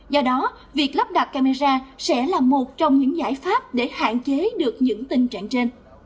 do đó việc lắp đặt camera sẽ là một trong những giải pháp để hạn chế được những tình trạng trên